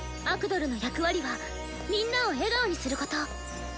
アクドルの役割はみんなを笑顔にすること。